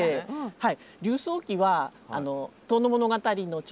はい。